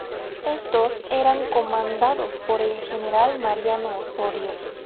Estos eran comandados por el general Mariano Osorio.